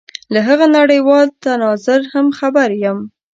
له هغه نړېوال تناظر هم خبر یم.